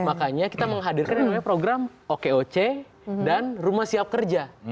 makanya kita menghadirkan yang namanya program okoc dan rumah siap kerja